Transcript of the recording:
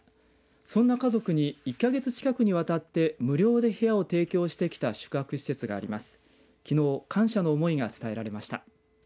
そんな家族に１か月近くにわたって無料で部屋を提供してきた宿泊施設があります。